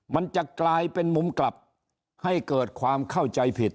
มันจะกลายเป็นมุมกลับให้เกิดความเข้าใจผิด